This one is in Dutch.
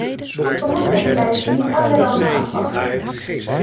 We moeten het beleid niet aan de rampen aanpassen.